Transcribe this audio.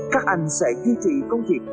các anh sẽ duy trì công việc